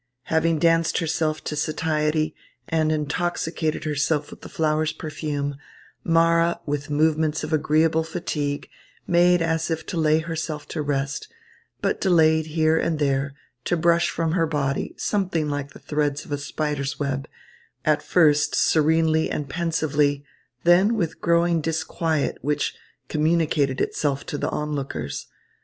Having danced herself to satiety and intoxicated herself with the flower's perfume, Mara, with movements of agreeable fatigue, made as if to lay herself to rest, but delayed here and there to brush from her body something like the threads of a spider's web, at first serenely and pensively, then with growing disquiet, which communicated itself to the onlookers.